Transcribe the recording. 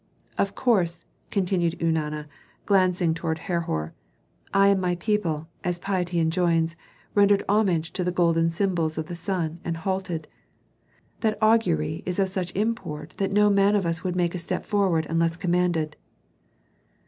"Of course," continued Eunana, glancing toward Herhor, "I and my people, as piety enjoins, rendered homage to the golden symbols of the sun, and halted. That augury is of such import that no man of us would make a step forward unless commanded."